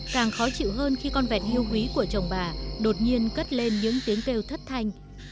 càng khó chịu hơn khi con vẹt yêu quý của chồng bà đột nhiên cất lên những tiếng kêu thất thanh